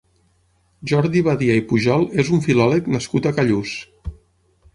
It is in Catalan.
Jordi Badia i Pujol és un filòleg nascut a Callús.